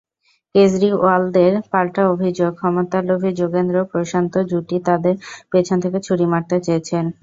কেজরিওয়ালদের পাল্টা অভিযোগ, ক্ষমতালোভী যোগেন্দ্র-প্রশান্ত জুটি তাঁদের পেছন থেকে ছুরি মারতে চেয়েছেন।